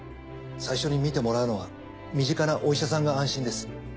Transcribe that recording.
最初に診てもらうのは身近なお医者さんが安心です。